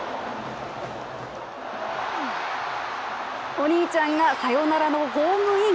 お兄ちゃんがサヨナラのホームイン。